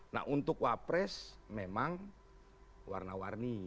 nah untuk wapres memang warna warni